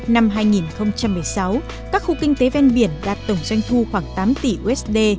năm hai nghìn một mươi sáu các khu kinh tế ven biển đạt tổng doanh thu khoảng tám tỷ usd